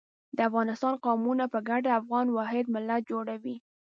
د افغانستان قومونه په ګډه افغان واحد ملت جوړوي.